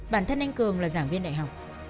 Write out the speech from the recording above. bản thân anh cường là giảng viên đại học